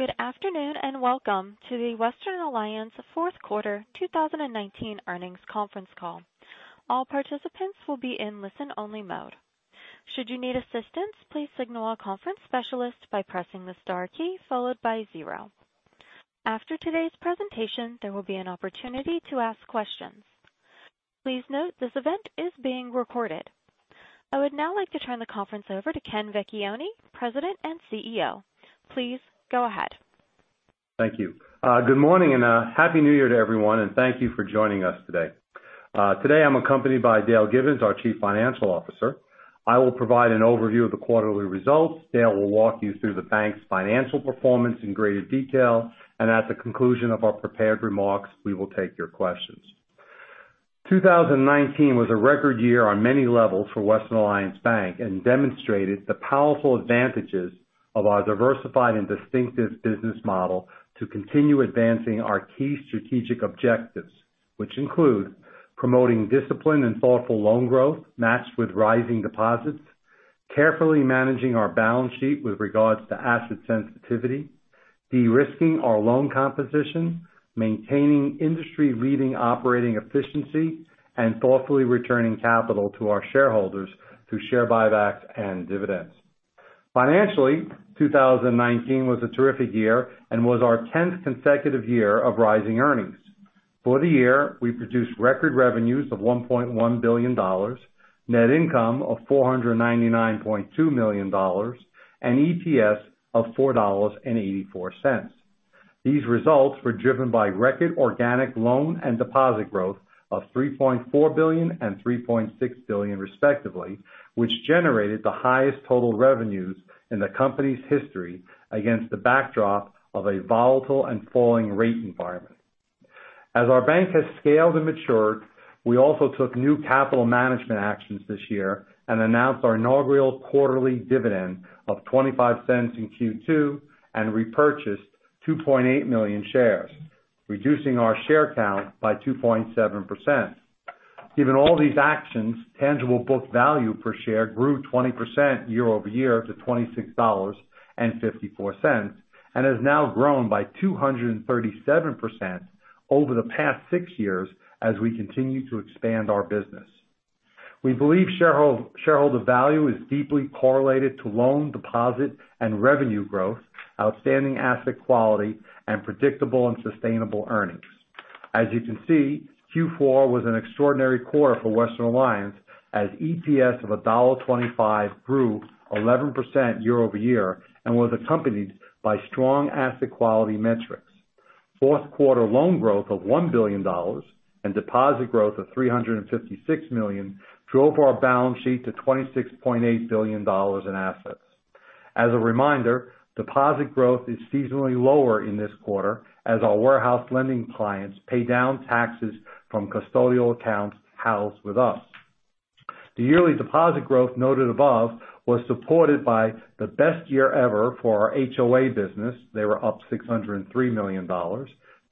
Good afternoon, and welcome to the Western Alliance Fourth Quarter 2019 Earnings Conference Call. All participants will be in listen-only mode. Should you need assistance, please signal our conference specialist by pressing the star key followed by zero. After today's presentation, there will be an opportunity to ask questions. Please note this event is being recorded. I would now like to turn the conference over to Ken Vecchione, President and CEO. Please go ahead. Thank you. Good morning and happy New Year to everyone, and thank you for joining us today. Today, I'm accompanied by Dale Gibbons, our Chief Financial Officer. I will provide an overview of the quarterly results. Dale will walk you through the bank's financial performance in greater detail. At the conclusion of our prepared remarks, we will take your questions. 2019 was a record year on many levels for Western Alliance Bank and demonstrated the powerful advantages of our diversified and distinctive business model to continue advancing our key strategic objectives. Which include promoting discipline and thoughtful loan growth matched with rising deposits, carefully managing our balance sheet with regards to asset sensitivity, de-risking our loan composition, maintaining industry-leading operating efficiency, and thoughtfully returning capital to our shareholders through share buybacks and dividends. Financially, 2019 was a terrific year and was our 10th consecutive year of rising earnings. For the year, we produced record revenues of $1.1 billion, net income of $499.2 million, and EPS of $4.84. These results were driven by record organic loan and deposit growth of $3.4 billion and $3.6 billion respectively, which generated the highest total revenues in the company's history against the backdrop of a volatile and falling rate environment. As our bank has scaled and matured, we also took new capital management actions this year and announced our inaugural quarterly dividend of $0.25 in Q2 and repurchased 2.8 million shares, reducing our share count by 2.7%. Given all these actions, tangible book value per share grew 20% year-over-year to $26.54, and has now grown by 237% over the past six years as we continue to expand our business. We believe shareholder value is deeply correlated to loan deposit and revenue growth, outstanding asset quality, and predictable and sustainable earnings. As you can see, Q4 was an extraordinary quarter for Western Alliance as EPS of $1.25 grew 11% year-over-year and was accompanied by strong asset quality metrics. Fourth quarter loan growth of $1 billion and deposit growth of $356 million drove our balance sheet to $26.8 billion in assets. As a reminder, deposit growth is seasonally lower in this quarter as our warehouse lending clients pay down taxes from custodial accounts housed with us. The yearly deposit growth noted above was supported by the best year ever for our HOA business. They were up $603 million.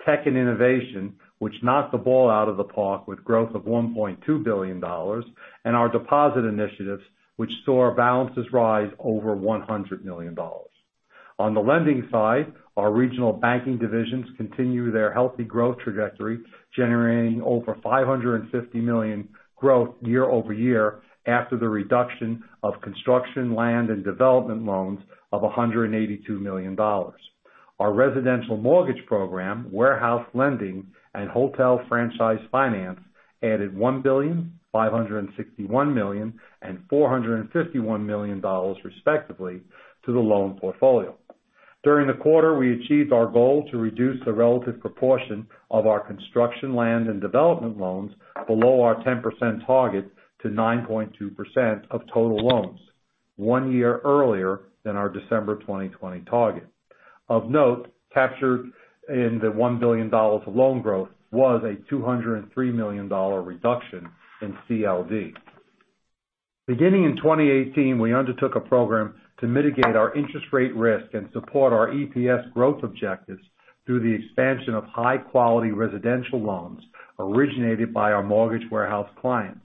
Tech and innovation, which knocked the ball out of the park with growth of $1.2 billion, and our deposit initiatives, which saw our balances rise over $100 million. On the lending side, our regional banking divisions continue their healthy growth trajectory, generating over $550 million growth year-over-year after the reduction of construction, land, and development loans of $182 million. Our residential mortgage program, warehouse lending, and hotel franchise finance added $1 billion, $561 million, and $451 million respectively to the loan portfolio. During the quarter, we achieved our goal to reduce the relative proportion of our construction, land, and development loans below our 10% target to 9.2% of total loans, one year earlier than our December 2020 target. Of note, captured in the $1 billion of loan growth was a $203 million reduction in CLD. Beginning in 2018, we undertook a program to mitigate our interest rate risk and support our EPS growth objectives through the expansion of high-quality residential loans originated by our mortgage warehouse clients.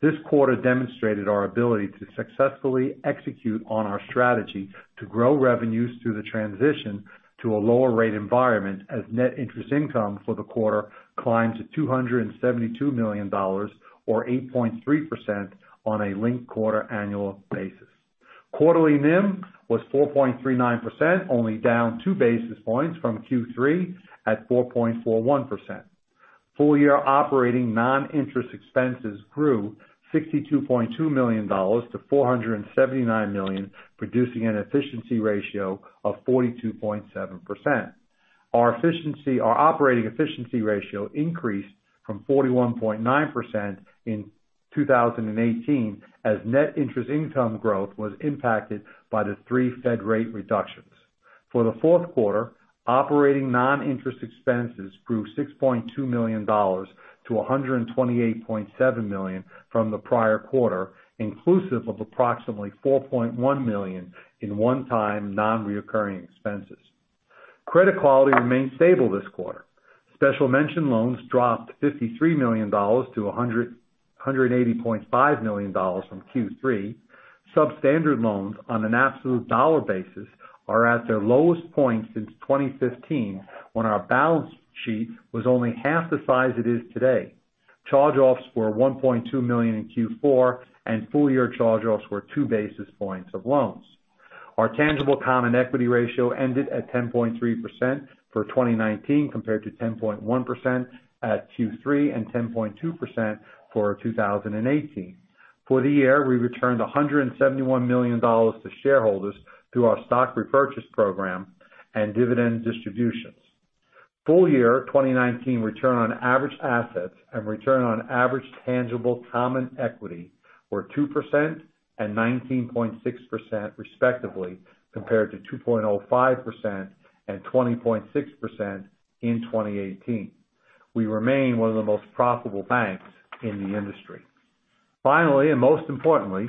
This quarter demonstrated our ability to successfully execute on our strategy to grow revenues through the transition to a lower rate environment as net interest income for the quarter climbed to $272 million or 8.3% on a linked quarter annual basis. Quarterly NIM was 4.39%, only down 2 basis points from Q3 at 4.41%. Full-year operating non-interest expenses grew $62.2 million-$479 million, producing an efficiency ratio of 42.7%. Our operating efficiency ratio increased from 41.9% in 2018 as net interest income growth was impacted by the three Fed rate reductions. For the fourth quarter, operating non-interest expenses grew $6.2 million to $128.7 million from the prior quarter, inclusive of approximately $4.1 million in one-time non-reoccurring expenses. Credit quality remained stable this quarter. Special mention loans dropped $53 million to $180.5 million from Q3. Substandard loans on an absolute dollar basis are at their lowest point since 2015, when our balance sheet was only half the size it is today. Charge-offs were $1.2 million in Q4, and full-year charge-offs were 2 basis points of loans. Our tangible common equity ratio ended at 10.3% for 2019 compared to 10.1% at Q3 and 10.2% for 2018. For the year, we returned $171 million to shareholders through our stock repurchase program and dividend distributions. Full year 2019 return on average assets and return on average tangible common equity were 2% and 19.6%, respectively, compared to 2.05% and 20.6% in 2018. We remain one of the most profitable banks in the industry. Finally, most importantly,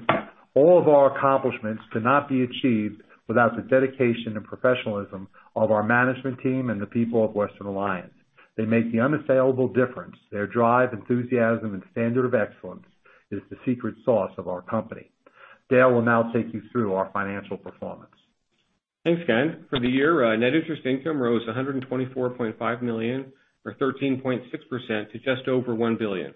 all of our accomplishments could not be achieved without the dedication and professionalism of our management team and the people of Western Alliance. They make the unassailable difference. Their drive, enthusiasm, and standard of excellence is the secret sauce of our company. Dale will now take you through our financial performance. Thanks, Ken. For the year, net interest income rose to $124.5 million or 13.6% to just over $1 billion.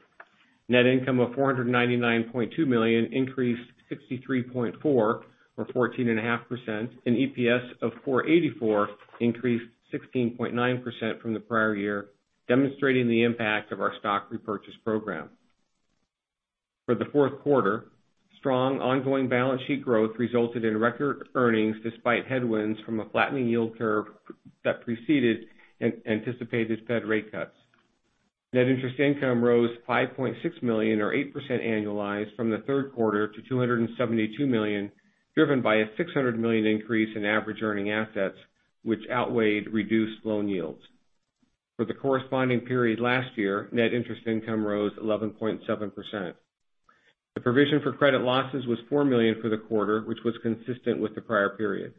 Net income of $499.2 million increased $63.4 million or 14.5%, and EPS of $4.84 increased 16.9% from the prior year, demonstrating the impact of our stock repurchase program. For the fourth quarter, strong ongoing balance sheet growth resulted in record earnings despite headwinds from a flattening yield curve that preceded anticipated Fed rate cuts. Net interest income rose $5.6 million or 8% annualized from the third quarter to $272 million, driven by a $600 million increase in average earning assets, which outweighed reduced loan yields. For the corresponding period last year, net interest income rose 11.7%. The provision for credit losses was $4 million for the quarter, which was consistent with the prior period.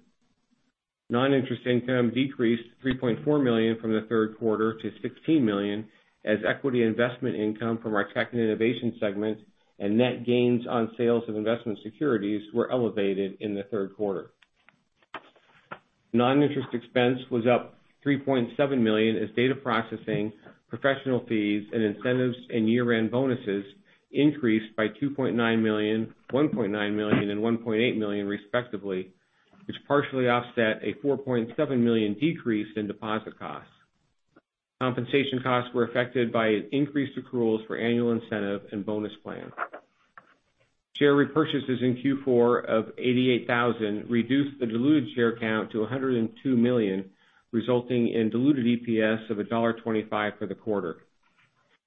Non-interest income decreased $3.4 million from the third quarter to $16 million as equity investment income from our tech and innovation segment and net gains on sales of investment securities were elevated in the third quarter. Non-interest expense was up $3.7 million as data processing, professional fees, and incentives and year-end bonuses increased by $2.9 million, $1.9 million and $1.8 million respectively, which partially offset a $4.7 million decrease in deposit costs. Compensation costs were affected by increased accruals for annual incentive and bonus plans. Share repurchases in Q4 of 88,000 reduced the diluted share count to 102 million, resulting in diluted EPS of $1.25 for the quarter.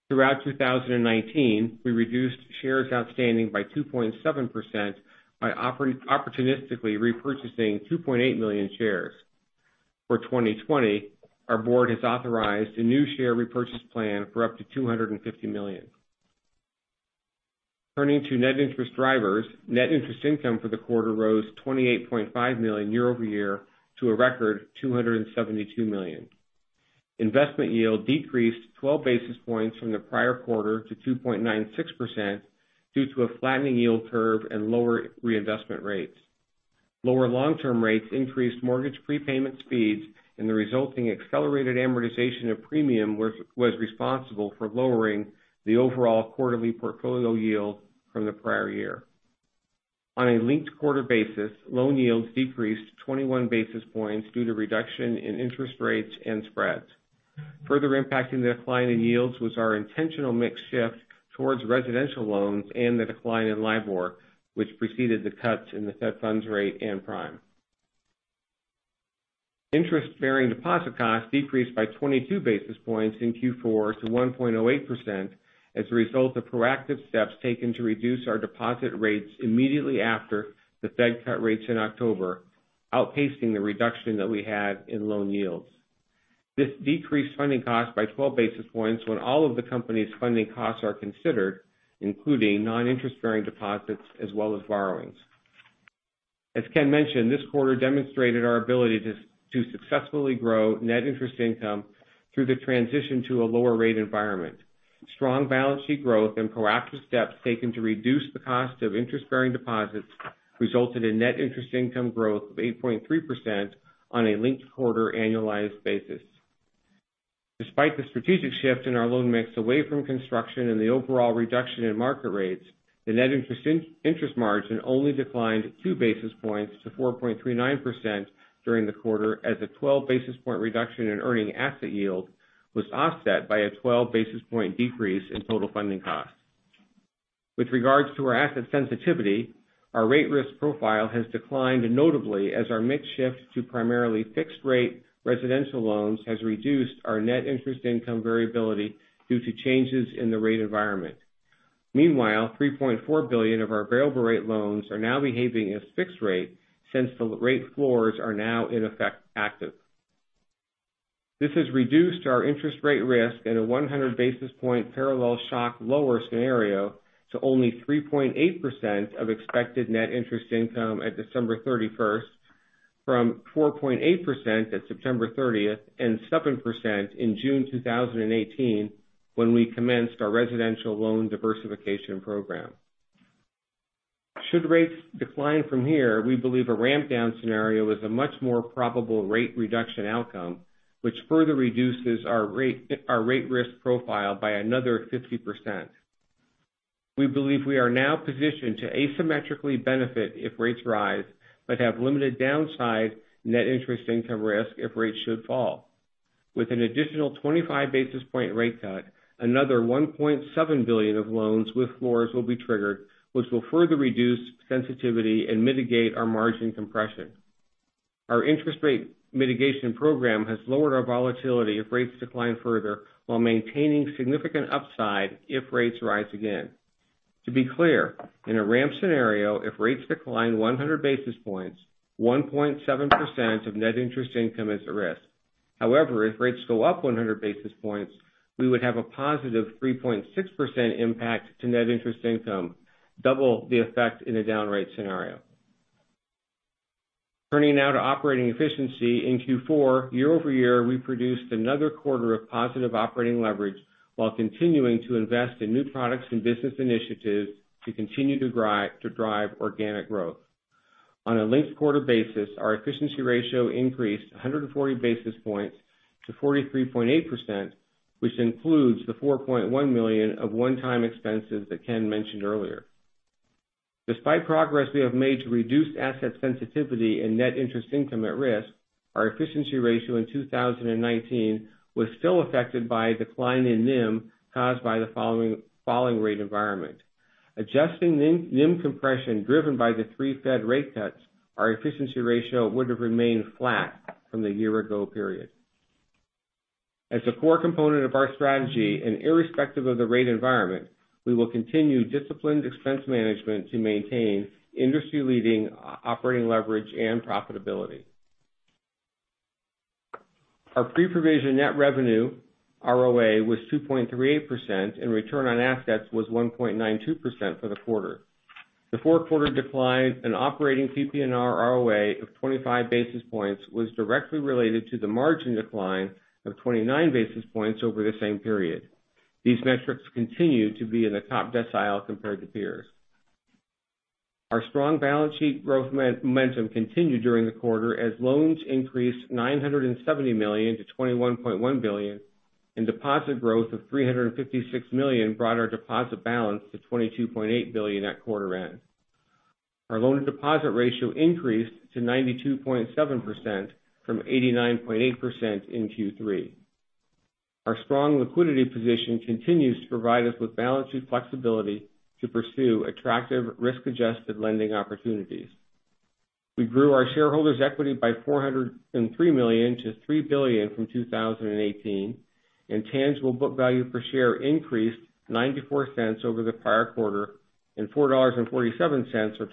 Throughout 2019, we reduced shares outstanding by 2.7% by opportunistically repurchasing 2.8 million shares. For 2020, our board has authorized a new share repurchase plan for up to $250 million. Turning to net interest drivers. Net interest income for the quarter rose $28.5 million year-over-year to a record $272 million. Investment yield decreased 12 basis points from the prior quarter to 2.96% due to a flattening yield curve and lower reinvestment rates. Lower long-term rates increased mortgage prepayment speeds, the resulting accelerated amortization of premium was responsible for lowering the overall quarterly portfolio yield from the prior year. On a linked-quarter basis, loan yields decreased 21 basis points due to reduction in interest rates and spreads. Further impacting the decline in yields was our intentional mix shift towards residential loans and the decline in LIBOR, which preceded the cuts in the Fed funds rate and prime. Interest-bearing deposit costs decreased by 22 basis points in Q4 to 1.08% as a result of proactive steps taken to reduce our deposit rates immediately after the Fed cut rates in October, outpacing the reduction that we had in loan yields. This decreased funding costs by 12 basis points when all of the company's funding costs are considered, including non-interest-bearing deposits as well as borrowings. As Ken mentioned, this quarter demonstrated our ability to successfully grow net interest income through the transition to a lower rate environment. Strong balance sheet growth and proactive steps taken to reduce the cost of interest-bearing deposits resulted in net interest income growth of 8.3% on a linked-quarter annualized basis. Despite the strategic shift in our loan mix away from construction and the overall reduction in market rates, the net interest margin only declined 2 basis points to 4.39% during the quarter as a 12 basis points reduction in earning asset yield was offset by a 12 basis points decrease in total funding costs. With regards to our asset sensitivity, our rate risk profile has declined notably as our mix shift to primarily fixed-rate residential loans has reduced our net interest income variability due to changes in the rate environment. Meanwhile, $3.4 billion of our variable rate loans are now behaving as fixed rate, since the rate floors are now in effect active. This has reduced our interest rate risk at a 100 basis points parallel shock lower scenario to only 3.8% of expected net interest income at December 31st, from 4.8% at September 30th and 7% in June 2018, when we commenced our residential loan diversification program. Should rates decline from here, we believe a ramp down scenario is a much more probable rate reduction outcome, which further reduces our rate risk profile by another 50%. We believe we are now positioned to asymmetrically benefit if rates rise, but have limited downside net interest income risk if rates should fall. With an additional 25 basis points rate cut, another $1.7 billion of loans with floors will be triggered, which will further reduce sensitivity and mitigate our margin compression. Our interest rate mitigation program has lowered our volatility if rates decline further while maintaining significant upside if rates rise again. To be clear, in a ramp scenario, if rates decline 100 basis points, 1.7% of net interest income is at risk. However, if rates go up 100 basis points, we would have a +3.6% impact to net interest income, double the effect in a down rate scenario. Turning now to operating efficiency in Q4. Year-over-year, we produced another quarter of positive operating leverage while continuing to invest in new products and business initiatives to continue to drive organic growth. On a linked quarter basis, our efficiency ratio increased 140 basis points to 43.8%, which includes the $4.1 million of one-time expenses that Ken mentioned earlier. Despite progress we have made to reduce asset sensitivity and net interest income at risk, our efficiency ratio in 2019 was still affected by a decline in NIM caused by the falling rate environment. Adjusting NIM compression driven by the three Fed rate cuts, our efficiency ratio would've remained flat from the year ago period. As a core component of our strategy and irrespective of the rate environment, we will continue disciplined expense management to maintain industry leading operating leverage and profitability. Our pre-provision net revenue, ROA, was 2.38%, and return on assets was 1.92% for the quarter. The fourth quarter decline in operating PPNR ROA of 25 basis points was directly related to the margin decline of 29 basis points over the same period. These metrics continue to be in the top decile compared to peers. Our strong balance sheet growth momentum continued during the quarter as loans increased $970 million to $21.1 billion and deposit growth of $356 million brought our deposit balance to $22.8 billion at quarter end. Our loan to deposit ratio increased to 92.7% from 89.8% in Q3. Our strong liquidity position continues to provide us with balance sheet flexibility to pursue attractive risk-adjusted lending opportunities. We grew our shareholders equity by $403 million to $3 billion from 2018, and tangible book value per share increased $0.94 over the prior quarter and $4.47 or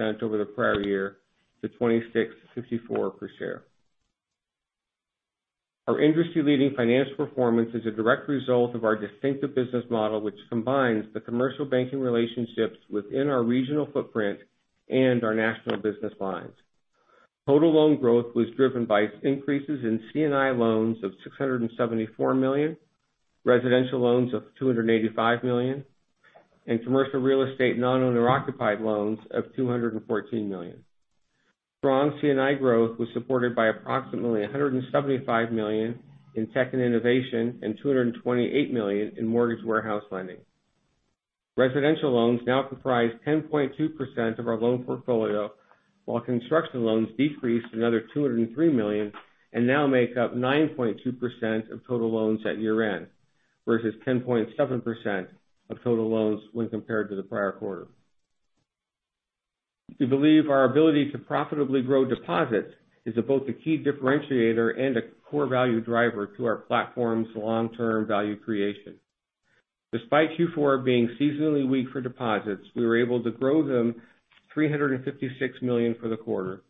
20% over the prior year to $26.54 per share. Our industry leading financial performance is a direct result of our distinctive business model, which combines the commercial banking relationships within our regional footprint and our national business lines. Total loan growth was driven by increases in C&I loans of $674 million, residential loans of $285 million, and Commercial Real Estate non-owner occupied loans of $214 million. Strong C&I growth was supported by approximately $175 million in tech and innovation and $228 million in mortgage warehouse lending. Residential loans now comprise 10.2% of our loan portfolio, while construction loans decreased another $203 million and now make up 9.2% of total loans at year-end, versus 10.7% of total loans when compared to the prior quarter. We believe our ability to profitably grow deposits is both a key differentiator and a core value driver to our platform's long-term value creation. Despite Q4 being seasonally weak for deposits, we were able to grow them $356 million for the quarter.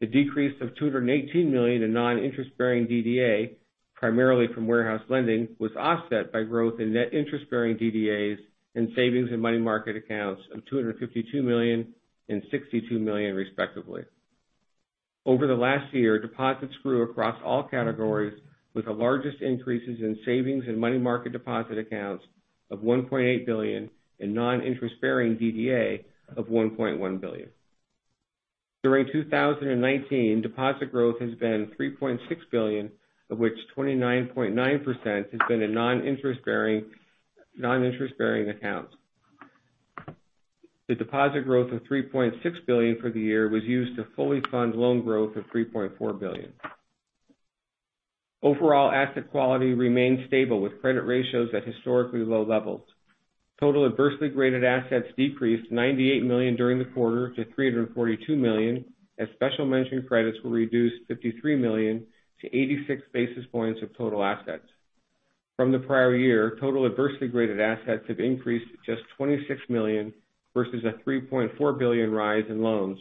The decrease of $218 million in non-interest bearing DDA, primarily from warehouse lending, was offset by growth in net interest-bearing DDAs and savings and money market accounts of $252 million and $62 million respectively. Over the last year, deposits grew across all categories with the largest increases in savings and money market deposit accounts of $1.8 billion and non-interest bearing DDA of $1.1 billion. During 2019, deposit growth has been $3.6 billion, of which 29.9% has been in non-interest bearing accounts. The deposit growth of $3.6 billion for the year was used to fully fund loan growth of $3.4 billion. Overall asset quality remained stable with credit ratios at historically low levels. Total adversely graded assets decreased $98 million during the quarter to $342 million as special mention credits were reduced $53 million to 86 basis points of total assets. From the prior year, total adversely graded assets have increased to just $26 million versus a $3.4 billion rise in loans,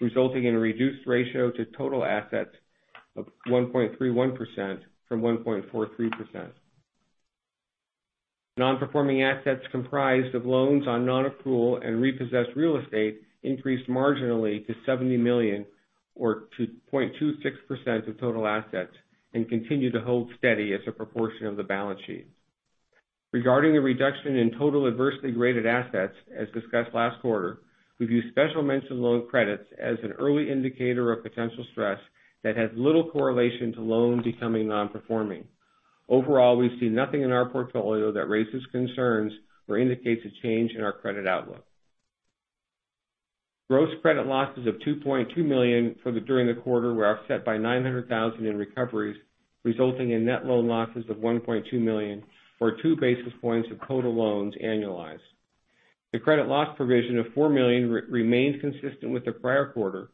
resulting in a reduced ratio to total assets of 1.31% from 1.43%. Nonperforming assets comprised of loans on non-accrual and repossessed real estate increased marginally to $70 million or to 0.26% of total assets and continue to hold steady as a proportion of the balance sheet. Regarding the reduction in total adversely graded assets, as discussed last quarter, we view special mention loan credits as an early indicator of potential stress that has little correlation to loans becoming nonperforming. Overall, we see nothing in our portfolio that raises concerns or indicates a change in our credit outlook. Gross credit losses of $2.2 million during the quarter were offset by $900,000 in recoveries, resulting in net loan losses of $1.2 million or 2 basis points of total loans annualized. The credit loss provision of $4 million remains consistent with the prior quarter.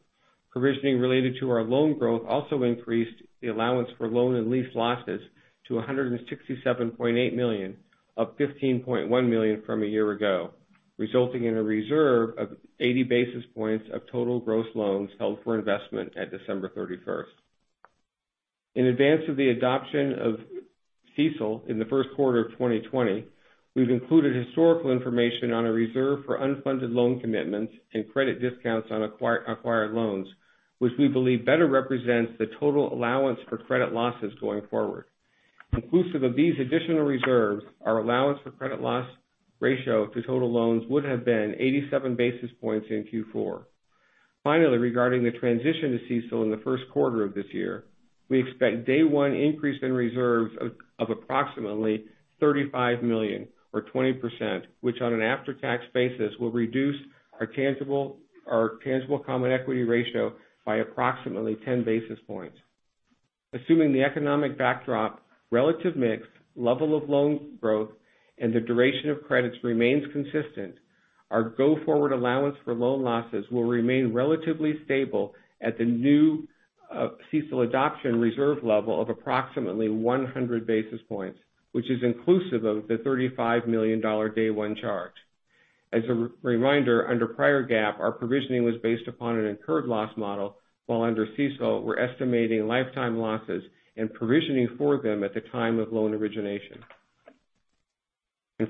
Provisioning related to our loan growth also increased the allowance for loan and lease losses to $167.8 million, up $15.1 million from a year ago, resulting in a reserve of 80 basis points of total gross loans held for investment at December 31st. In advance of the adoption of CECL in the first quarter of 2020, we've included historical information on a reserve for unfunded loan commitments and credit discounts on acquired loans, which we believe better represents the total allowance for credit losses going forward. Inclusive of these additional reserves, our allowance for credit loss ratio to total loans would have been 87 basis points in Q4. Regarding the transition to CECL in the first quarter of this year, we expect day one increase in reserves of approximately $35 million or 20%, which on an after-tax basis will reduce our tangible common equity ratio by approximately 10 basis points. Assuming the economic backdrop, relative mix, level of loan growth, and the duration of credits remains consistent, our go-forward allowance for loan losses will remain relatively stable at the new CECL adoption reserve level of approximately 100 basis points, which is inclusive of the $35 million day one charge. As a reminder, under prior GAAP, our provisioning was based upon an incurred loss model, while under CECL, we're estimating lifetime losses and provisioning for them at the time of loan origination.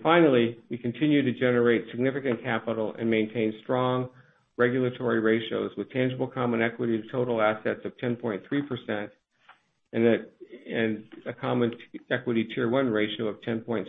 Finally, we continue to generate significant capital and maintain strong regulatory ratios with tangible common equity to total assets of 10.3% and a common equity Tier 1 ratio of 10.6%.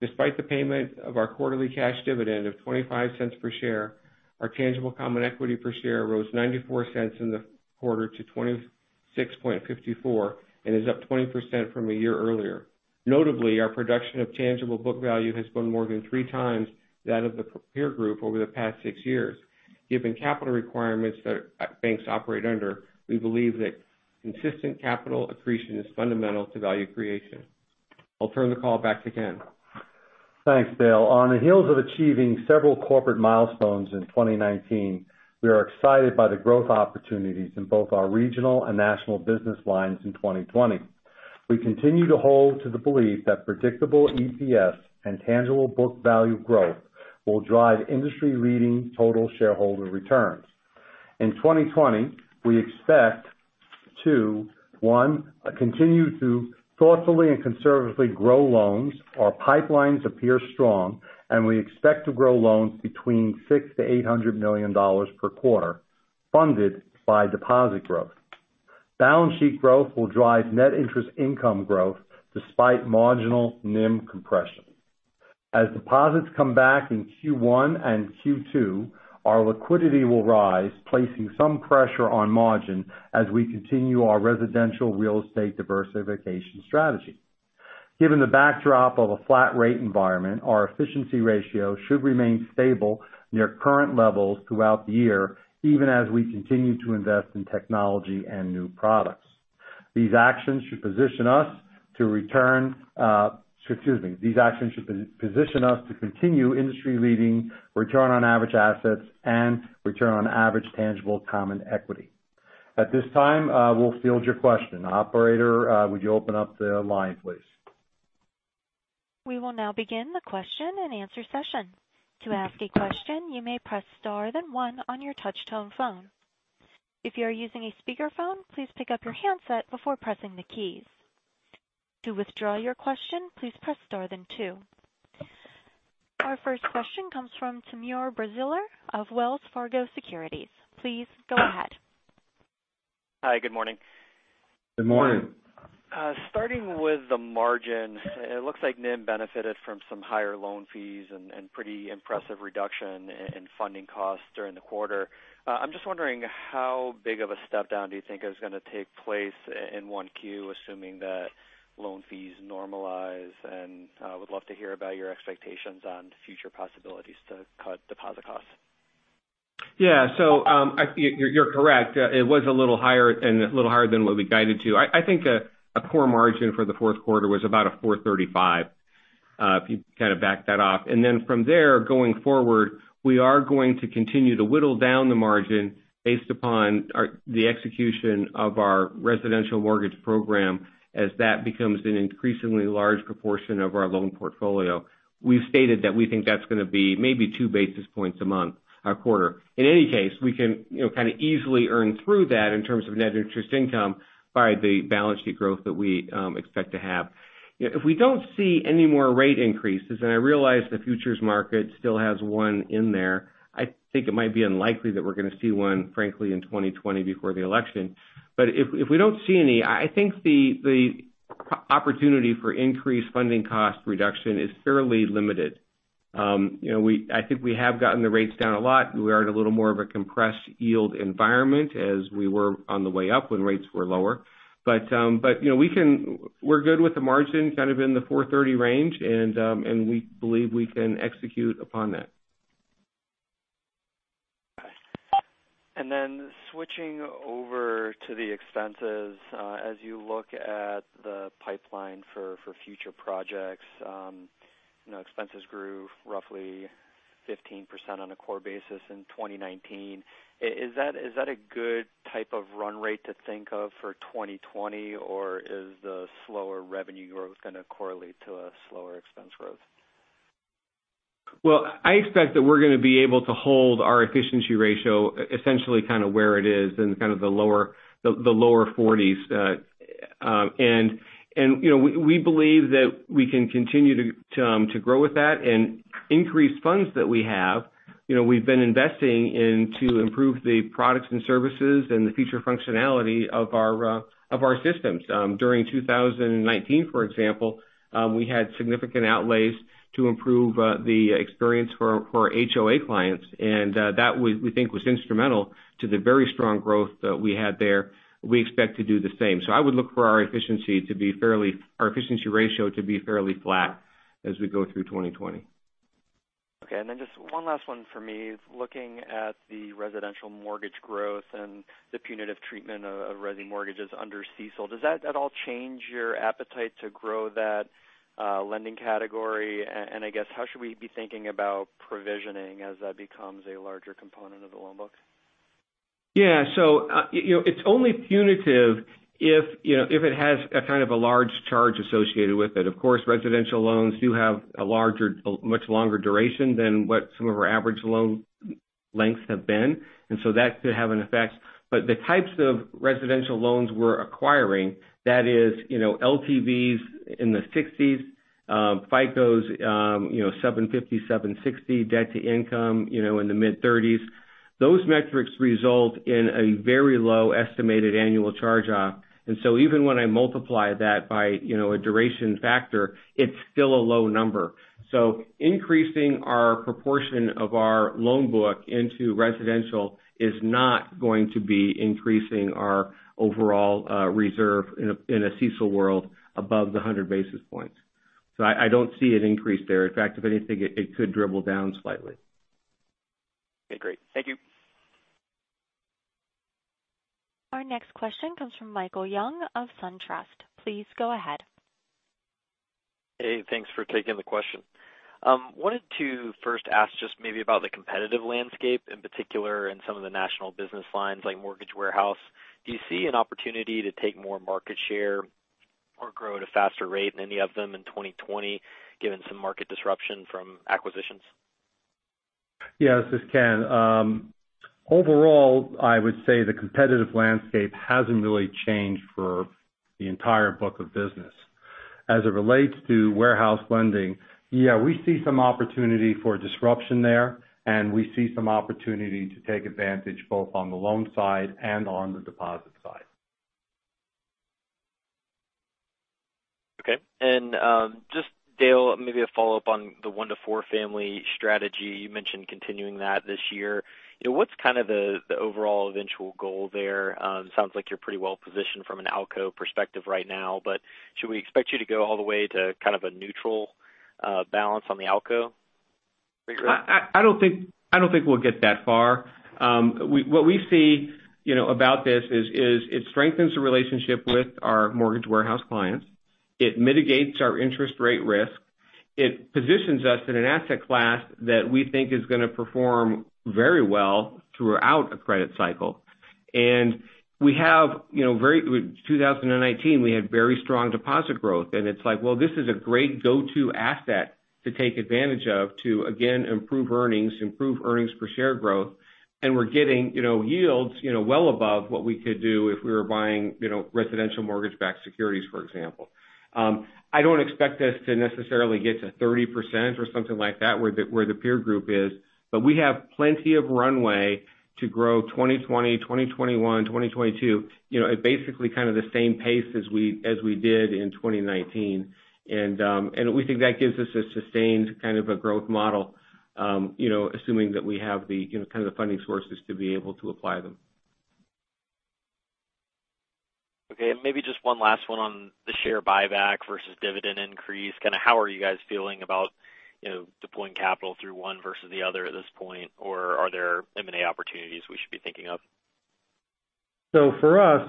Despite the payment of our quarterly cash dividend of $0.25 per share, our tangible common equity per share rose $0.94 in the quarter to $26.54 and is up 20% from a year earlier. Notably, our production of tangible book value has been more than three times that of the peer group over the past six years. Given capital requirements that banks operate under, we believe that consistent capital accretion is fundamental to value creation. I'll turn the call back to Ken. Thanks, Dale. On the heels of achieving several corporate milestones in 2019, we are excited by the growth opportunities in both our regional and national business lines in 2020. We continue to hold to the belief that predictable EPS and tangible book value growth will drive industry-leading total shareholder returns. In 2020, we expect to, one, continue to thoughtfully and conservatively grow loans. Our pipelines appear strong, and we expect to grow loans between $600 million-$800 million per quarter, funded by deposit growth. Balance sheet growth will drive net interest income growth despite marginal NIM compression. As deposits come back in Q1 and Q2, our liquidity will rise, placing some pressure on margin as we continue our residential real estate diversification strategy. Given the backdrop of a flat rate environment, our efficiency ratio should remain stable near current levels throughout the year, even as we continue to invest in technology and new products. These actions should position us to continue industry-leading return on average assets and return on average tangible common equity. At this time, we'll field your question. Operator, would you open up the line, please? We will now begin the question-and-answer session. To ask a question, you may press star then one on your touch-tone phone. If you are using a speakerphone, please pick up your handset before pressing the keys. To withdraw your question, please press star then two. Our first question comes from Timur Braziler of Wells Fargo Securities. Please go ahead. Hi, good morning. Good morning. Starting with the margin, it looks like NIM benefited from some higher loan fees and pretty impressive reduction in funding costs during the quarter. I'm just wondering how big of a step down do you think is going to take place in 1Q, assuming that loan fees normalize? Would love to hear about your expectations on future possibilities to cut deposit costs. You're correct. It was a little higher and a little harder than what we guided to. I think a core margin for the fourth quarter was about a 435, if you kind of back that off. From there, going forward, we are going to continue to whittle down the margin based upon the execution of our residential mortgage program as that becomes an increasingly large proportion of our loan portfolio. We've stated that we think that's going to be maybe 2 basis points a quarter. In any case, we can kind of easily earn through that in terms of net interest income by the balance sheet growth that we expect to have. If we don't see any more rate increases, I realize the futures market still has one in there, I think it might be unlikely that we're going to see one, frankly, in 2020 before the election. If we don't see any, I think the opportunity for increased funding cost reduction is fairly limited. I think we have gotten the rates down a lot. We are at a little more of a compressed yield environment as we were on the way up when rates were lower. We're good with the margin kind of in the 430 range, we believe we can execute upon that. Okay. Switching over to the expenses. As you look at the pipeline for future projects, expenses grew roughly 15% on a core basis in 2019. Is that a good type of run rate to think of for 2020? Is the slower revenue growth going to correlate to a slower expense growth? Well, I expect that we're going to be able to hold our efficiency ratio essentially where it is in kind of the lower 40%. We believe that we can continue to grow with that. Increased funds that we have, we've been investing to improve the products and services and the future functionality of our systems. During 2019, for example, we had significant outlays to improve the experience for our HOA clients, and that we think was instrumental to the very strong growth that we had there. We expect to do the same. I would look for our efficiency ratio to be fairly flat as we go through 2020. Okay. Just one last one for me is looking at the residential mortgage growth and the punitive treatment of resi mortgages under CECL. Does that at all change your appetite to grow that lending category? I guess, how should we be thinking about provisioning as that becomes a larger component of the loan book? Yeah. It's only punitive if it has a kind of a large charge associated with it. Of course, residential loans do have a much longer duration than what some of our average loan lengths have been, that could have an effect. The types of residential loans we're acquiring, that is, LTVs in the 60%, FICOs 750, 760, debt to income in the mid-30%, those metrics result in a very low estimated annual charge-off. Even when I multiply that by a duration factor, it's still a low number. Increasing our proportion of our loan book into residential is not going to be increasing our overall reserve in a CECL world above the 100 basis points. I don't see an increase there. In fact, if anything, it could dribble down slightly. Okay, great. Thank you. Our next question comes from Michael Young of SunTrust. Please go ahead. Hey, thanks for taking the question. Wanted to first ask just maybe about the competitive landscape, in particular in some of the national business lines like mortgage warehouse. Do you see an opportunity to take more market share or grow at a faster rate than any of them in 2020 given some market disruption from acquisitions? Yes. This is Ken. Overall, I would say the competitive landscape hasn't really changed for the entire book of business. As it relates to warehouse lending, yeah, we see some opportunity for disruption there, and we see some opportunity to take advantage both on the loan side and on the deposit side. Okay. Just, Dale, maybe a follow-up on the one to four family strategy. You mentioned continuing that this year. What's kind of the overall eventual goal there? It sounds like you're pretty well positioned from an ALCO perspective right now, should we expect you to go all the way to kind of a neutral balance on the ALCO? I don't think we'll get that far. What we see about this is it strengthens the relationship with our mortgage warehouse clients. It mitigates our interest rate risk. It positions us in an asset class that we think is going to perform very well throughout a credit cycle. 2019, we had very strong deposit growth, and it's like, well, this is a great go-to asset to take advantage of to again, improve earnings, improve earnings per share growth. We're getting yields well above what we could do if we were buying residential mortgage-backed securities, for example. I don't expect us to necessarily get to 30% or something like that where the peer group is, but we have plenty of runway to grow 2020, 2021, 2022 at basically kind of the same pace as we did in 2019. We think that gives us a sustained kind of a growth model, assuming that we have the kind of the funding sources to be able to apply them. Okay. Maybe just one last one on the share buyback versus dividend increase. Kind of how are you guys feeling about deploying capital through one versus the other at this point? Or are there M&A opportunities we should be thinking of? For us,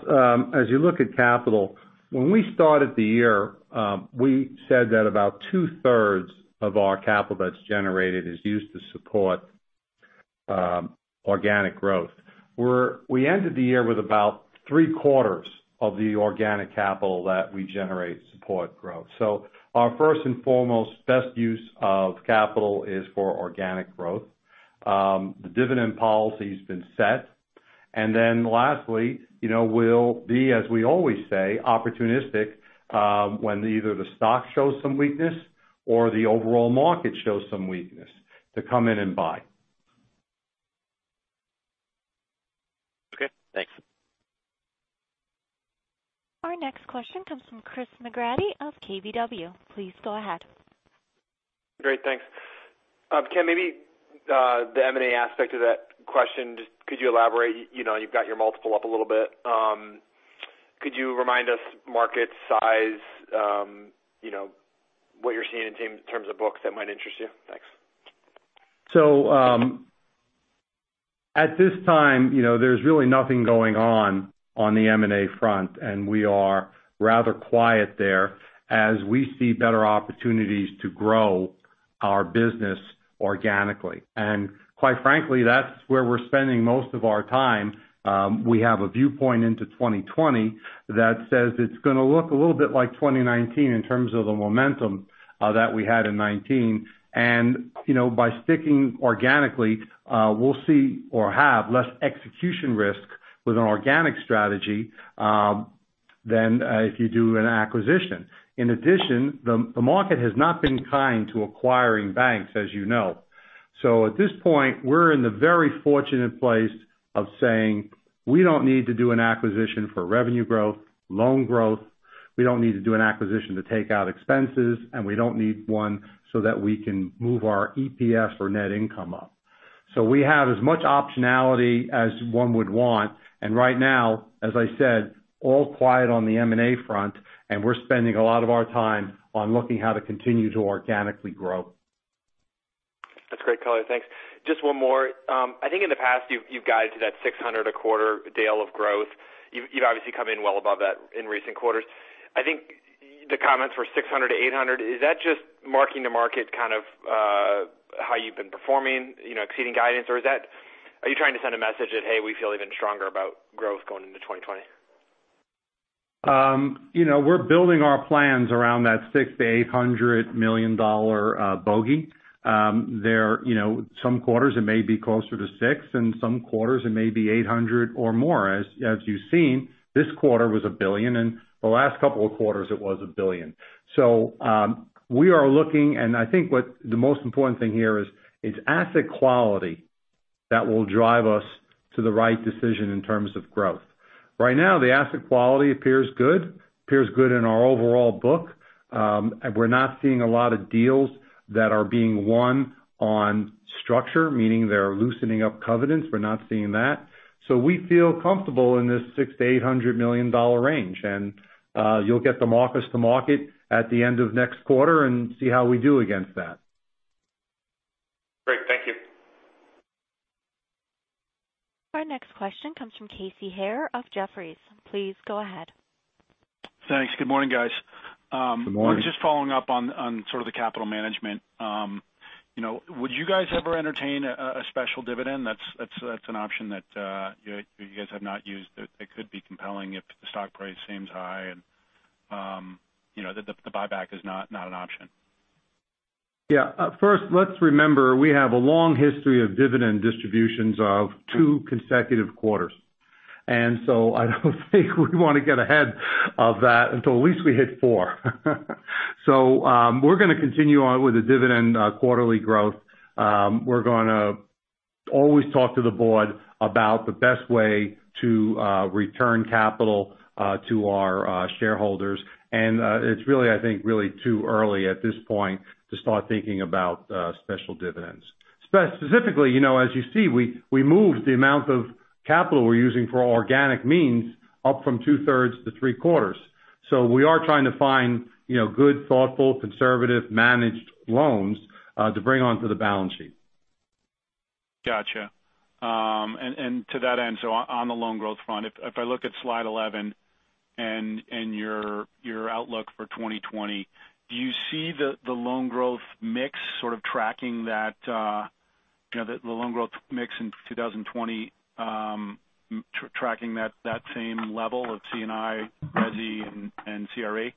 as you look at capital, when we started the year, we said that about two-thirds of our capital that is generated is used to support organic growth. We ended the year with about 3/4 of the organic capital that we generate support growth. Our first and foremost best use of capital is for organic growth. The dividend policy has been set. Lastly, we will be, as we always say, opportunistic when either the stock shows some weakness or the overall market shows some weakness to come in and buy. Thanks. Our next question comes from Chris McGratty of KBW. Please go ahead. Great. Thanks. Ken, maybe the M&A aspect of that question, just could you elaborate? You've got your multiple up a little bit. Could you remind us market size, what you're seeing in terms of books that might interest you? Thanks. At this time, there's really nothing going on the M&A front, and we are rather quiet there as we see better opportunities to grow our business organically. Quite frankly, that's where we're spending most of our time. We have a viewpoint into 2020 that says it's going to look a little bit like 2019 in terms of the momentum that we had in 2019. By sticking organically, we'll see or have less execution risk with an organic strategy than if you do an acquisition. In addition, the market has not been kind to acquiring banks, as you know. At this point, we're in the very fortunate place of saying, we don't need to do an acquisition for revenue growth, loan growth. We don't need to do an acquisition to take out expenses, and we don't need one so that we can move our EPS or net income up. We have as much optionality as one would want, and right now, as I said, all quiet on the M&A front, and we're spending a lot of our time on looking how to continue to organically grow. That's great color. Thanks. Just one more. I think in the past, you've guided to that $600 a quarter Dale of growth. You've obviously come in well above that in recent quarters. I think the comments were $600 million-$800 million. Is that just marking the market kind of how you've been performing, exceeding guidance, or are you trying to send a message that, hey, we feel even stronger about growth going into 2020? We're building our plans around that $600 million-$800 million bogey. Some quarters it may be closer to $600 million, and some quarters it may be $800 million or more. As you've seen, this quarter was a billion, and the last couple of quarters it was a billion. We are looking, and I think what the most important thing here is asset quality that will drive us to the right decision in terms of growth. Right now, the asset quality appears good in our overall book. We're not seeing a lot of deals that are being won on structure, meaning they're loosening up covenants. We're not seeing that. We feel comfortable in this $600 million-$800 million range, and you'll get the markets to market at the end of next quarter and see how we do against that. Great. Thank you. Our next question comes from Casey Haire of Jefferies. Please go ahead. Thanks. Good morning, guys. Good morning. I'm just following up on sort of the capital management. Would you guys ever entertain a special dividend? That's an option that you guys have not used. It could be compelling if the stock price seems high and the buyback is not an option. Yeah. First, let's remember, we have a long history of dividend distributions of two consecutive quarters. I don't think we want to get ahead of that until at least we hit four. We're going to continue on with the dividend quarterly growth. We're going to always talk to the board about the best way to return capital to our shareholders. It's really, I think, really too early at this point to start thinking about special dividends. Specifically, as you see, we moved the amount of capital we're using for organic means up from two-thirds to three-quarters. We are trying to find good, thoughtful, conservative managed loans to bring onto the balance sheet. Got you. To that end, on the loan growth front, if I look at slide 11 and your outlook for 2020, do you see the loan growth mix in 2020 tracking that same level of C&I, resi, and CRE?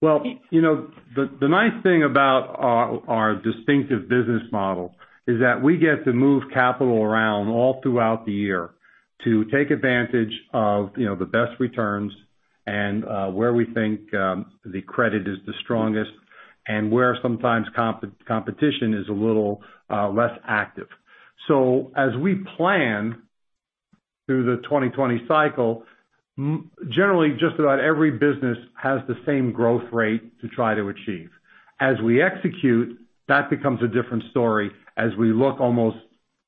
Well, the nice thing about our distinctive business model is that we get to move capital around all throughout the year to take advantage of the best returns and where we think the credit is the strongest and where sometimes competition is a little less active. As we plan through the 2020 cycle, generally, just about every business has the same growth rate to try to achieve. As we execute, that becomes a different story as we look almost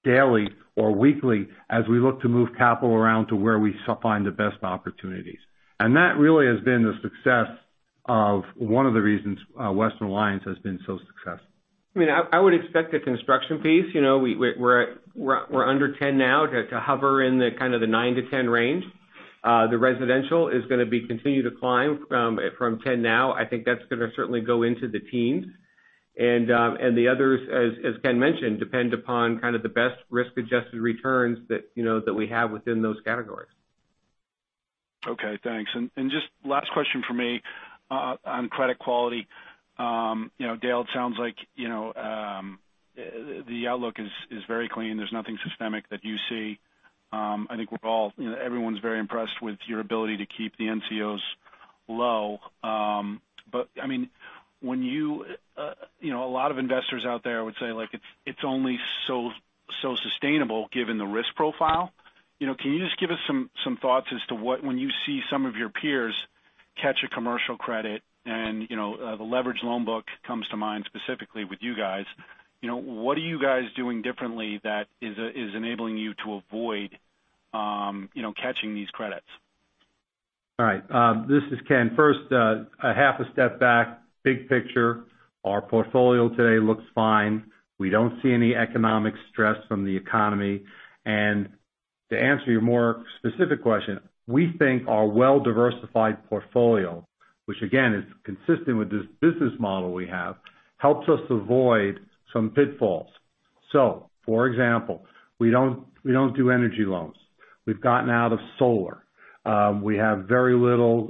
daily or weekly as we look to move capital around to where we find the best opportunities. That really has been the success of one of the reasons Western Alliance has been so successful. I would expect the construction piece. We're under 10 now to hover in the kind of the 9-10 range. The residential is going to be continue to climb from 10 now. I think that's going to certainly go into the teens. The others, as Ken mentioned, depend upon kind of the best risk-adjusted returns that we have within those categories. Okay, thanks. Just last question from me on credit quality. Dale, it sounds like the outlook is very clean. There's nothing systemic that you see. I think everyone's very impressed with your ability to keep the NCOs low. A lot of investors out there would say it's only so sustainable given the risk profile. Can you just give us some thoughts as to when you see some of your peers catch a commercial credit and, the leverage loan book comes to mind specifically with you guys, what are you guys doing differently that is enabling you to avoid catching these credits? All right. This is Ken. First, a half a step back, big picture, our portfolio today looks fine. We don't see any economic stress from the economy. To answer your more specific question, we think our well-diversified portfolio, which again, is consistent with this business model we have, helps us avoid some pitfalls. For example, we don't do energy loans. We've gotten out of solar. We have very little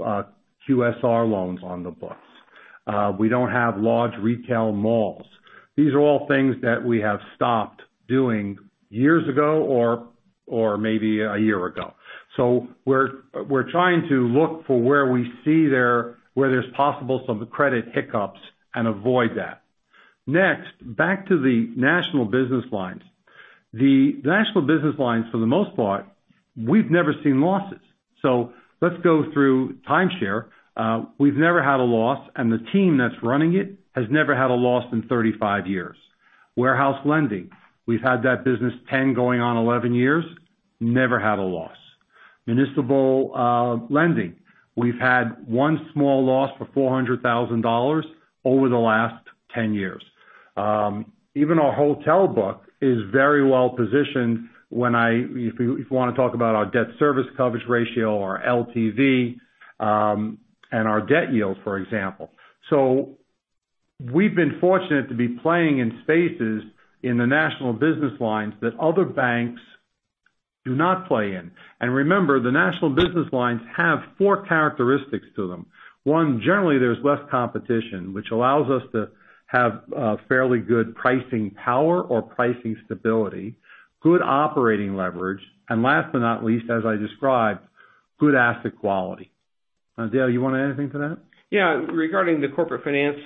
QSR loans on the books. We don't have large retail malls. These are all things that we have stopped doing years ago or maybe a year ago. We're trying to look for where we see there's possible some credit hiccups and avoid that. Next, back to the national business lines. The national business lines, for the most part, we've never seen losses. Let's go through timeshare. We've never had a loss, and the team that's running it has never had a loss in 35 years. Warehouse lending. We've had that business 10 going on 11 years, never had a loss. Municipal lending. We've had one small loss for $400,000 over the last 10 years. Even our hotel book is very well-positioned if you want to talk about our debt service coverage ratio, our LTV, and our debt yields, for example. We've been fortunate to be playing in spaces in the national business lines that other banks do not play in. Remember, the national business lines have four characteristics to them. One, generally, there's less competition, which allows us to have fairly good pricing power or pricing stability, good operating leverage, and last but not least, as I described, good asset quality. Dale, you want to add anything to that? Yeah. Regarding the corporate finance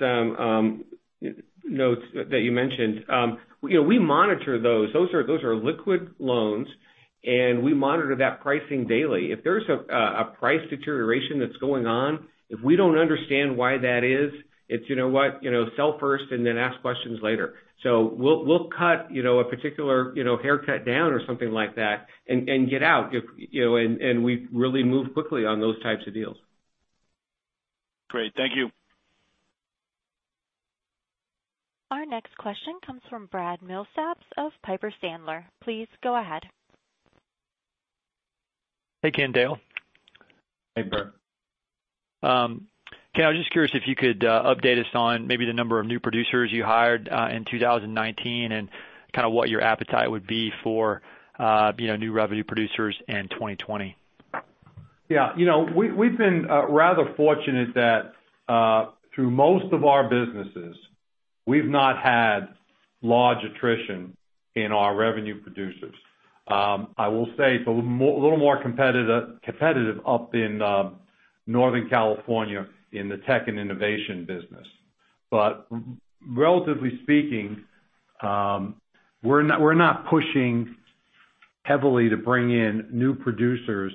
notes that you mentioned. We monitor those. Those are liquid loans, and we monitor that pricing daily. If there's a price deterioration that's going on, if we don't understand why that is, it's, you know what, sell first and then ask questions later. We'll cut a particular haircut down or something like that and get out, and we really move quickly on those types of deals. Great. Thank you. Our next question comes from Brad Milsaps of Piper Sandler. Please go ahead. Hey, Ken, Dale. Hey, Brad. Ken, I was just curious if you could update us on maybe the number of new producers you hired in 2019 and kind of what your appetite would be for new revenue producers in 2020? Yeah. We've been rather fortunate that through most of our businesses, we've not had large attrition in our revenue producers. I will say it's a little more competitive up in Northern California in the tech and innovation business. Relatively speaking, we're not pushing heavily to bring in new producers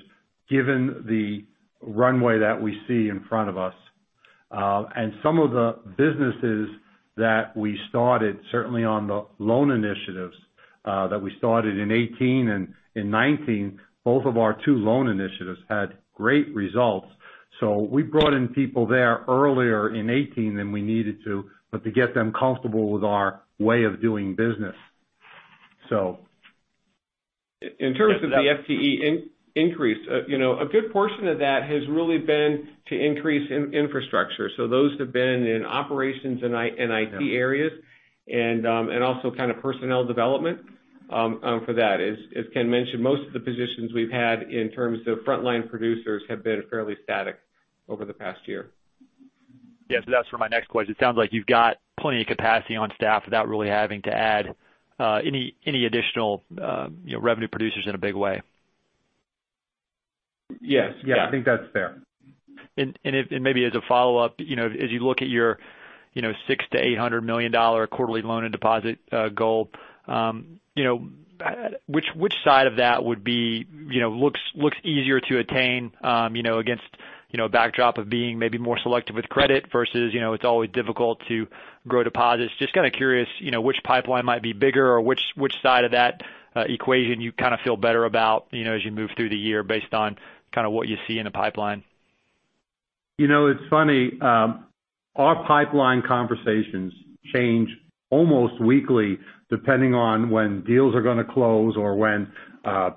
given the runway that we see in front of us. Some of the businesses that we started, certainly on the loan initiatives that we started in 2018 and in 2019, both of our two loan initiatives had great results. We brought in people there earlier in 2018 than we needed to, but to get them comfortable with our way of doing business. In terms of the FTE increase, a good portion of that has really been to increase infrastructure. Those have been in operations and IT areas and also kind of personnel development for that. As Ken mentioned, most of the positions we've had in terms of frontline producers have been fairly static over the past year. Yeah, that's for my next question. It sounds like you've got plenty of capacity on staff without really having to add any additional revenue producers in a big way. Yes. Yeah. I think that's fair. Maybe as a follow-up, as you look at your $600 million-$800 million quarterly loan and deposit goal, which side of that looks easier to attain against a backdrop of being maybe more selective with credit versus it's always difficult to grow deposits? Kind of curious which pipeline might be bigger or which side of that equation you kind of feel better about as you move through the year based on kind of what you see in the pipeline. It's funny. Our pipeline conversations change almost weekly depending on when deals are going to close or when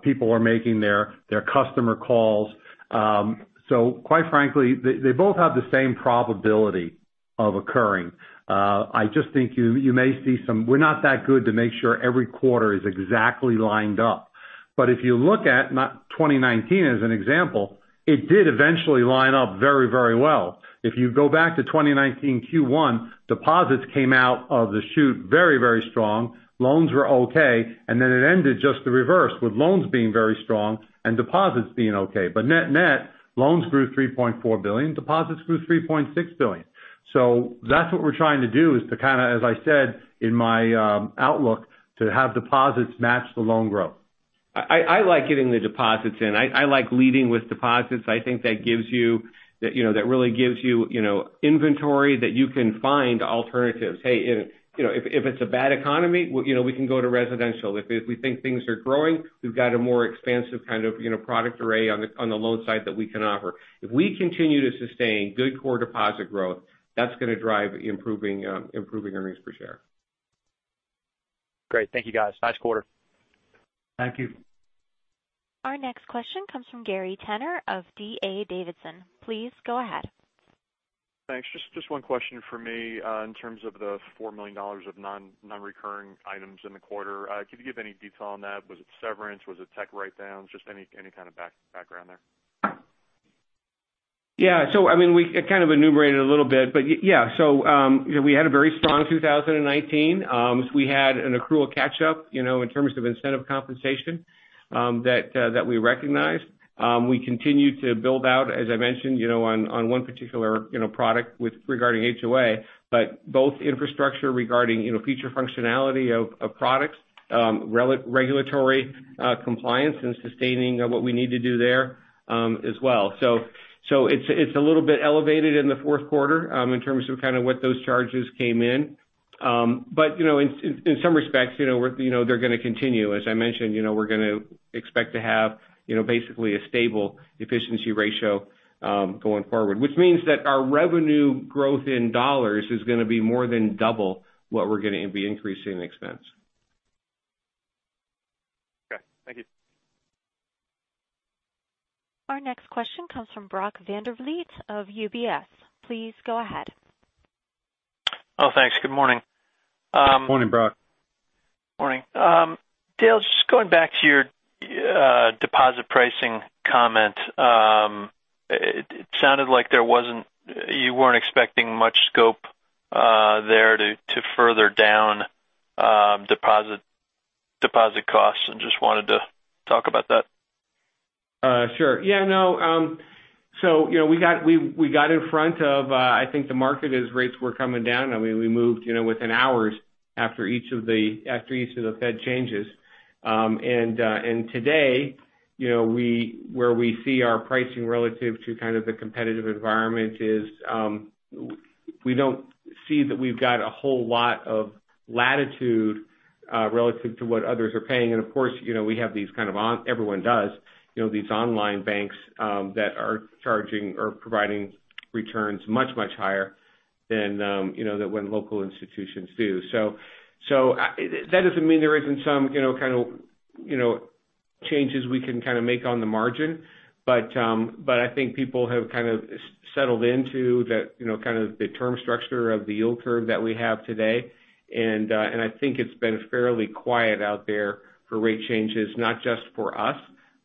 people are making their customer calls. Quite frankly, they both have the same probability of occurring. I just think we're not that good to make sure every quarter is exactly lined up. If you look at 2019 as an example, it did eventually line up very well. If you go back to 2019 Q1, deposits came out of the chute very strong. Loans were okay, and then it ended just the reverse, with loans being very strong and deposits being okay. Net-net, loans grew $3.4 billion, deposits grew $3.6 billion. That's what we're trying to do is to kind of, as I said in my outlook, to have deposits match the loan growth. I like getting the deposits in. I like leading with deposits. I think that really gives you inventory that you can find alternatives. Hey, if it's a bad economy, we can go to residential. If we think things are growing, we've got a more expansive kind of product array on the loan side that we can offer. If we continue to sustain good core deposit growth, that's going to drive improving earnings per share. Great. Thank you guys. Nice quarter. Thank you. Our next question comes from Gary Tenner of D.A. Davidson. Please go ahead. Thanks. Just one question from me in terms of the $4 million of non-recurring items in the quarter. Could you give any detail on that? Was it severance? Was it tech write-downs? Just any kind of background there? Yeah. We kind of enumerated a little bit. Yeah, we had a very strong 2019. We had an accrual catch-up in terms of incentive compensation that we recognized. We continue to build out, as I mentioned, on one particular product regarding HOA. Both infrastructure regarding future functionality of products, regulatory compliance and sustaining what we need to do there as well. It's a little bit elevated in the fourth quarter in terms of kind of what those charges came in. In some respects, they're going to continue. As I mentioned, we're going to expect to have basically a stable efficiency ratio going forward, which means that our revenue growth in dollars is going to be more than double what we're going to be increasing in expense. Okay. Thank you. Our next question comes from Brock Vandervliet of UBS. Please go ahead. Oh, thanks. Good morning. Good morning, Brock. Morning. Dale, just going back to your deposit pricing comment, it sounded like you weren't expecting much scope there to further down deposit costs and just wanted to talk about that. Sure. Yeah. We got in front of, I think, the market as rates were coming down. We moved within hours after each of the Fed changes. Today, where we see our pricing relative to kind of the competitive environment is we don't see that we've got a whole lot of latitude relative to what others are paying. Of course, we have these kind of, everyone does, these online banks that are charging or providing returns much higher than what local institutions do. That doesn't mean there isn't some kind of changes we can make on the margin. I think people have kind of settled into the kind of term structure of the yield curve that we have today. I think it's been fairly quiet out there for rate changes, not just for us,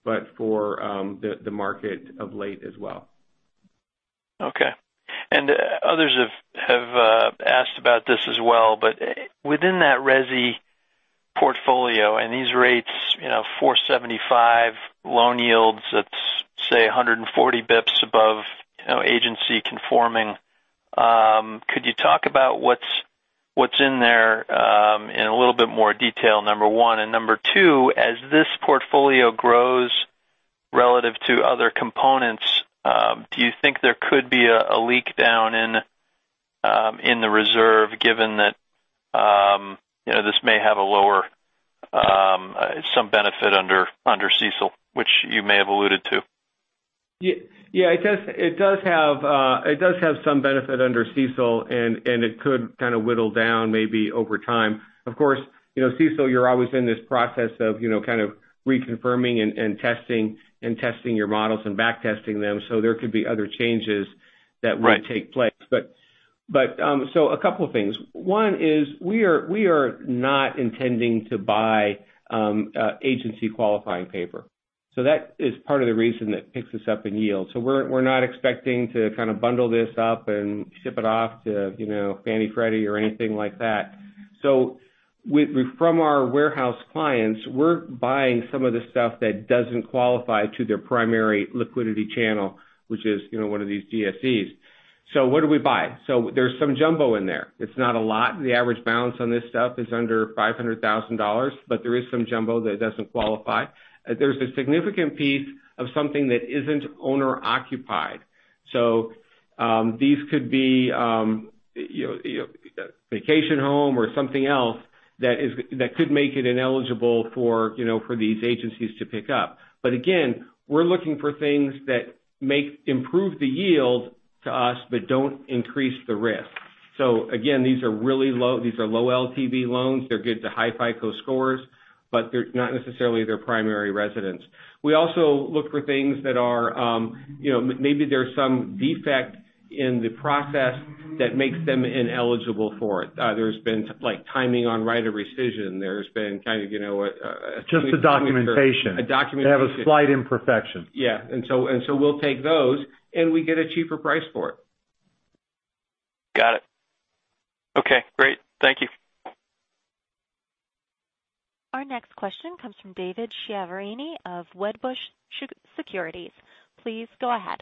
but for the market of late as well. Okay. Others have asked about this as well. Within that resi portfolio and these rates, 475 loan yields, that's say 140 basis points above agency conforming. Could you talk about what's in there in a little bit more detail, number one? Number two, as this portfolio grows relative to other components, do you think there could be a leak down in the reserve given that this may have some benefit under CECL, which you may have alluded to? It does have some benefit under CECL, and it could kind of whittle down maybe over time. Of course, CECL, you're always in this process of kind of reconfirming and testing your models and back testing them. There could be other changes that will take place. Right. A couple of things. One is we are not intending to buy agency qualifying paper. That is part of the reason that picks us up in yield. We're not expecting to kind of bundle this up and ship it off to Fannie, Freddie or anything like that. From our warehouse clients, we're buying some of the stuff that doesn't qualify to their primary liquidity channel, which is one of these GSEs. What do we buy? There's some jumbo in there. It's not a lot. The average balance on this stuff is under $500,000, but there is some jumbo that doesn't qualify. There's a significant piece of something that isn't owner occupied. These could be a vacation home or something else that could make it ineligible for these agencies to pick up. Again, we're looking for things that improve the yield to us but don't increase the risk. Again, these are low LTV loans. They're good to high FICO scores, but they're not necessarily their primary residence. We also look for things that are, maybe there's some defect in the process that makes them ineligible for it. There's been timing on right of rescission. Just the documentation. A documentation. They have a slight imperfection. Yeah. We'll take those, and we get a cheaper price for it. Got it. Okay, great. Thank you. Our next question comes from David Chiaverini of Wedbush Securities. Please go ahead.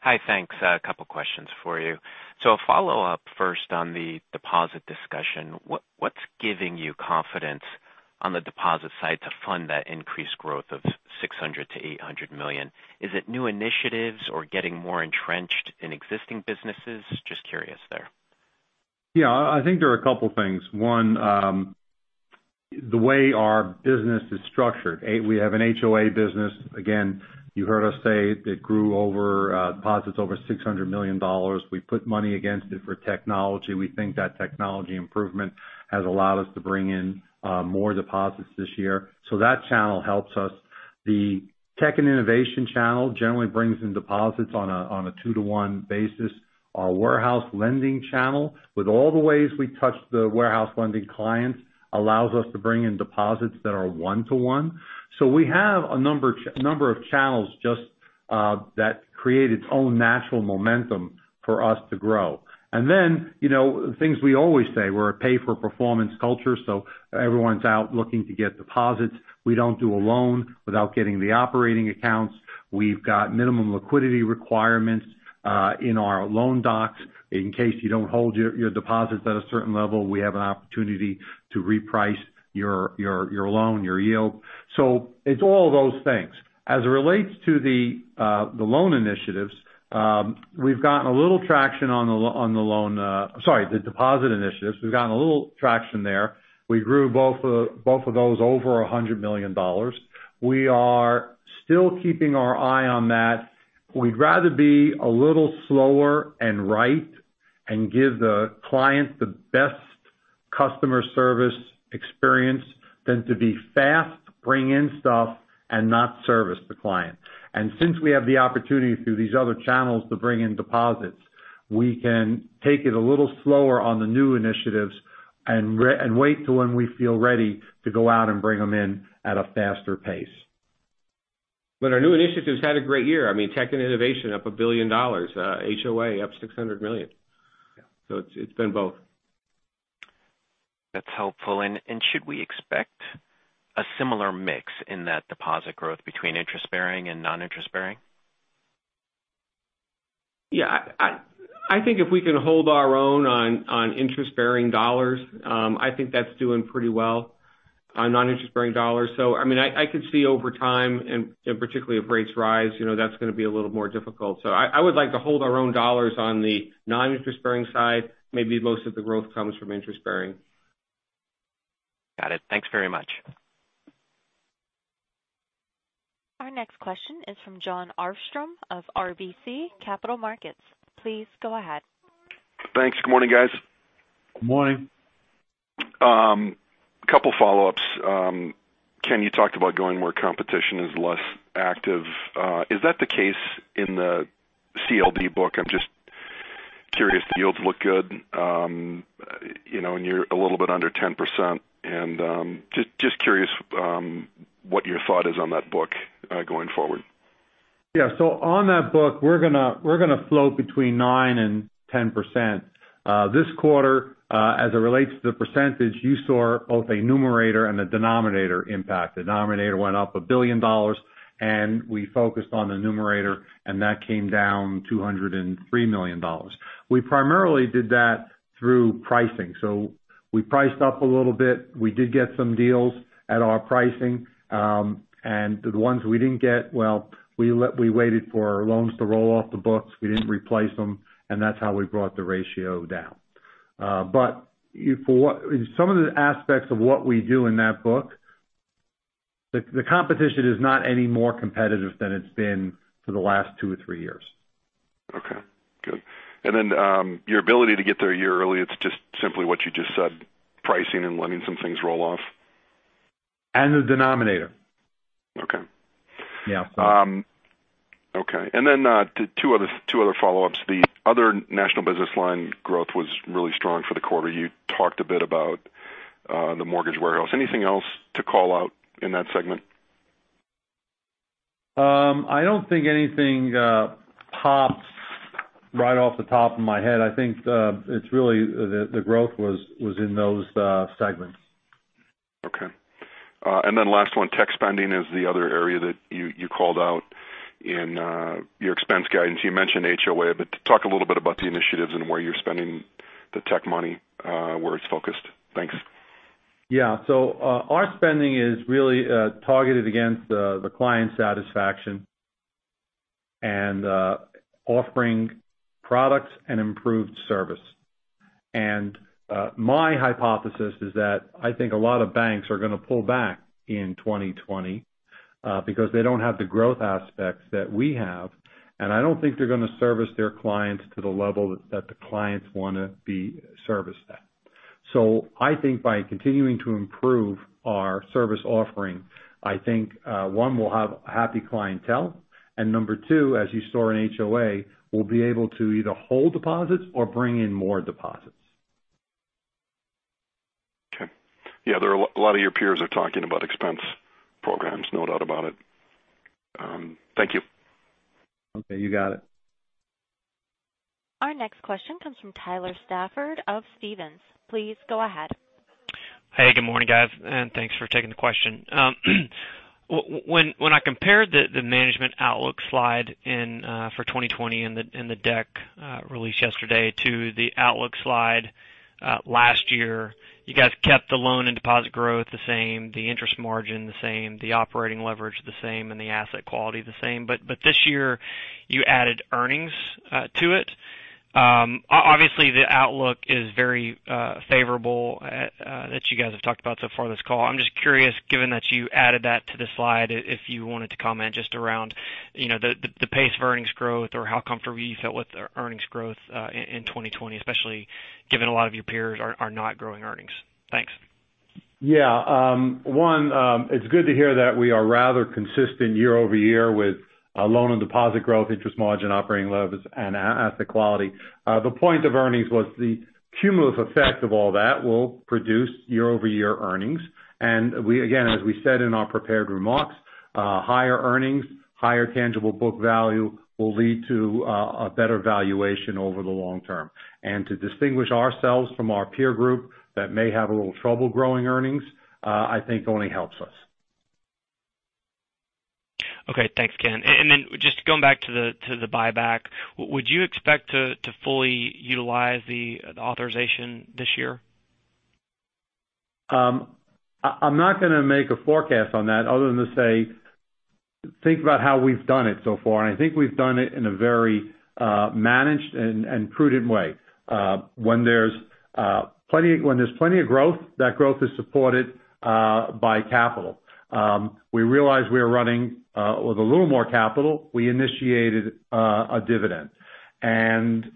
Hi, thanks. A couple questions for you. A follow-up first on the deposit discussion. What's giving you confidence on the deposit side to fund that increased growth of $600 million-$800 million? Is it new initiatives or getting more entrenched in existing businesses? Just curious there. Yeah, I think there are a couple things. One, the way our business is structured. We have an HOA business. You heard us say it grew deposits over $600 million. We put money against it for technology. We think that technology improvement has allowed us to bring in more deposits this year. That channel helps us. The tech and innovation channel generally brings in deposits on a 2-to-1 basis. Our warehouse lending channel, with all the ways we touch the warehouse lending clients, allows us to bring in deposits that are 1-to-1. We have a number of channels just that create its own natural momentum for us to grow. The things we always say, we're a pay-for-performance culture, everyone's out looking to get deposits. We don't do a loan without getting the operating accounts. We've got minimum liquidity requirements, in our loan docs. In case you don't hold your deposits at a certain level, we have an opportunity to reprice your loan, your yield. It's all of those things. As it relates to the deposit initiatives. We've gotten a little traction there. We grew both of those over $100 million. We are still keeping our eye on that. We'd rather be a little slower and right and give the client the best customer service experience than to be fast, bring in stuff, and not service the client. Since we have the opportunity through these other channels to bring in deposits, we can take it a little slower on the new initiatives and wait till when we feel ready to go out and bring them in at a faster pace. Our new initiatives had a great year. I mean, tech and innovation up a billion dollars, HOA up $600 million. Yeah. It's been both. That's helpful. Should we expect a similar mix in that deposit growth between interest-bearing and non-interest-bearing? Yeah, I think if we can hold our own on interest-bearing dollars, I think that's doing pretty well on non-interest-bearing dollars. I could see over time, and particularly if rates rise, that's going to be a little more difficult. I would like to hold our own dollars on the non-interest-bearing side. Maybe most of the growth comes from interest-bearing. Got it. Thanks very much. Our next question is from Jon Arfstrom of RBC Capital Markets. Please go ahead. Thanks. Good morning, guys. Good morning. Couple follow-ups. Ken, you talked about going where competition is less active. Is that the case in the CLD book? I'm just curious. The yields look good, and you're a little bit under 10%. Just curious what your thought is on that book, going forward. Yeah. On that book, we're going to float between 9% and 10%. This quarter, as it relates to the percentage, you saw both a numerator and a denominator impact. The denominator went up a billion dollars and we focused on the numerator, and that came down $203 million. We primarily did that through pricing. We priced up a little bit. We did get some deals at our pricing. The ones we didn't get well, we waited for our loans to roll off the books. We didn't replace them, and that's how we brought the ratio down. For some of the aspects of what we do in that book, the competition is not any more competitive than it's been for the last two or three years. Okay, good. Your ability to get there a year early, it's just simply what you just said, pricing and letting some things roll off? The denominator. Okay. Yeah. Okay. Two other follow-ups. The other national business line growth was really strong for the quarter. You talked a bit about the mortgage warehouse. Anything else to call out in that segment? I don't think anything pops right off the top of my head. I think the growth was in those segments. Okay. Last one, tech spending is the other area that you called out in your expense guidance. You mentioned HOA, but talk a little bit about the initiatives and where you're spending the tech money, where it's focused. Thanks. Yeah. Our spending is really targeted against the client satisfaction and offering products and improved service. My hypothesis is that I think a lot of banks are going to pull back in 2020 because they don't have the growth aspects that we have, and I don't think they're going to service their clients to the level that the clients want to be serviced at. I think by continuing to improve our service offering, I think, one, we'll have happy clientele, and number two, as you saw in HOA, we'll be able to either hold deposits or bring in more deposits. Okay. Yeah, a lot of your peers are talking about expense programs, no doubt about it. Thank you. Okay. You got it. Our next question comes from Tyler Stafford of Stephens. Please go ahead. Hey, good morning, guys, and thanks for taking the question. When I compared the management outlook slide for 2020 in the deck released yesterday to the outlook slide last year, you guys kept the loan and deposit growth the same, the interest margin the same, the operating leverage the same, and the asset quality the same. This year you added earnings to it. Obviously, the outlook is very favorable that you guys have talked about so far this call. I'm just curious, given that you added that to the slide, if you wanted to comment just around the pace of earnings growth or how comfortable you felt with the earnings growth in 2020, especially given a lot of your peers are not growing earnings. Thanks. Yeah. One, it's good to hear that we are rather consistent year-over-year with loan and deposit growth, interest margin, operating leverage, and asset quality. The point of earnings was the cumulative effect of all that will produce year-over-year earnings. Again, as we said in our prepared remarks, higher earnings, higher tangible book value will lead to a better valuation over the long term. To distinguish ourselves from our peer group that may have a little trouble growing earnings, I think only helps us. Okay. Thanks, Ken. Then just going back to the buyback. Would you expect to fully utilize the authorization this year? I'm not going to make a forecast on that other than to say, think about how we've done it so far. I think we've done it in a very managed and prudent way. When there's plenty of growth, that growth is supported by capital. We realize we are running with a little more capital. We initiated a dividend. Again,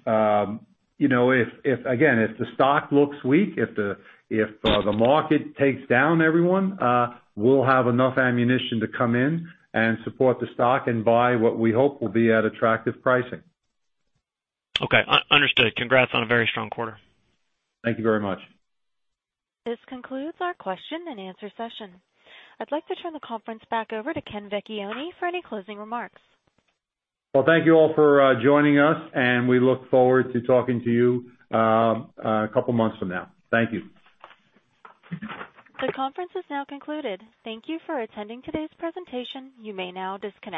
if the stock looks weak, if the market takes down everyone, we'll have enough ammunition to come in and support the stock and buy what we hope will be at attractive pricing. Okay, understood. Congrats on a very strong quarter. Thank you very much. This concludes our question-and-answer session. I'd like to turn the conference back over to Ken Vecchione for any closing remarks. Well, thank you all for joining us, and we look forward to talking to you a couple months from now. Thank you. The conference is now concluded. Thank you for attending today's presentation. You may now disconnect.